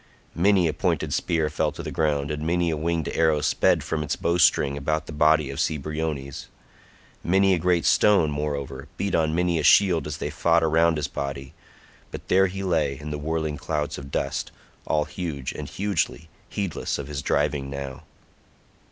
Many a pointed spear fell to ground and many a winged arrow sped from its bowstring about the body of Cebriones; many a great stone, moreover, beat on many a shield as they fought around his body, but there he lay in the whirling clouds of dust, all huge and hugely, heedless of his driving now.